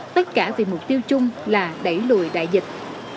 tất cả vì mục tiêu chung là đẩy lùi đại dịch